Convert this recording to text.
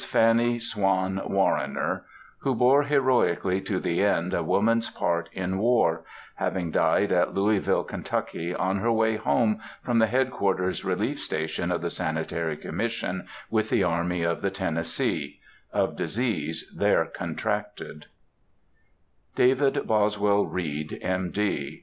FANNY SWAN WARRINER, who bore heroically to the end a woman's part in war, having died at Louisville, Kentucky, on her way home from the Head quarters Relief Station of the Sanitary Commission with the Army of the Tennessee,—of disease there contracted;— DAVID BOSWELL REID, M. D.